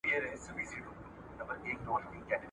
چي شاگرد وي چي مکتب چي معلمان وي ,